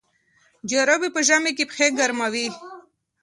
جرابې په ژمي کې پښې ګرموي.